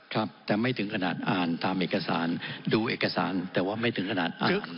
ครับแต่ไม่ถึงขนาดอ่านตามเอกสารดูเอกสารแต่ว่าไม่ถึงขนาดอ่าน